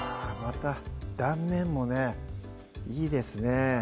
また断面もねいいですね